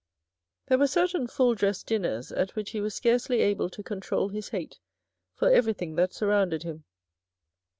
There were certain ' full dress ' dinners at which he was scarcely able to control his hate for everything that surrounded him.